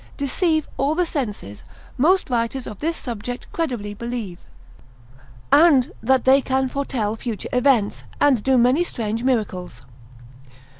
deceive all the senses; most writers of this subject credibly believe; and that they can foretell future events, and do many strange miracles.